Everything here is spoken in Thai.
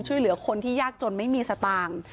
ช่วยเหลือคนที่ยากจนไม่มีสตางค์